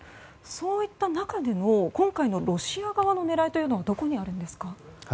そういった中でも今回のロシア側の狙いというのはどこにあるのですか。